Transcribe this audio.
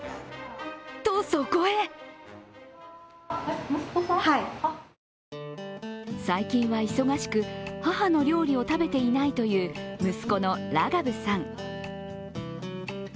とそこへ最近は忙しく、母の料理を食べていないという息子のラガブさん。